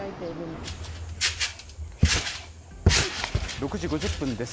６時５０分です。